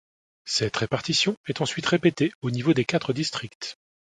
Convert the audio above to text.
Cette répartition est ensuite répétée au niveau des quatre districts.